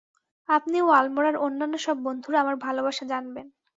আপনি ও আলমোড়ার অন্যান্য সব বন্ধুরা আমার ভালবাসা জানবেন।